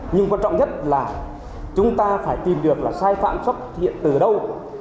nhưng quan trọng nhất là chúng ta phải tìm được là sai phạm xuất hiện từ đâu